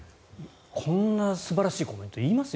こんな素晴らしいコメント言います？